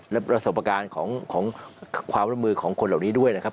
และประสบการณ์ของความร่วมมือของคนเหล่านี้ด้วยนะครับ